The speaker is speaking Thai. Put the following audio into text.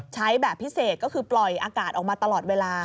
ใช้แบบพิเศษก็คือปล่อยอากาศออกมาตลอดเวลา